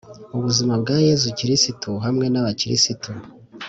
ubuzima bwa yezu kristu hamwe nabakirisitu